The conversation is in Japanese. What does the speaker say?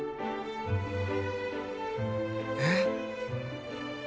えっ。